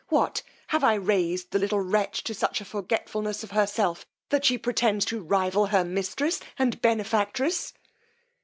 What, have I raised the little wretch to such a forgetfulness of herself, that she pretends to rival her mistress and benefactress!